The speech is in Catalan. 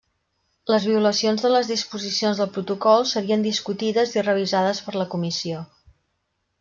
Les violacions de les disposicions del protocol serien discutides i revisades per la comissió.